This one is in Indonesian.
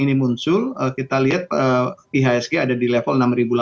ini muncul kita lihat ihsg ada di level enam ribu delapan ratus enam ribu sembilan ratus